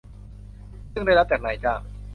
ซึ่งได้รับจากนายจ้าง